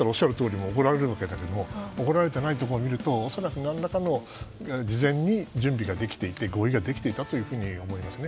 怒られていないところを見ると恐らく何らかの準備ができていて合意ができていたと思いますね。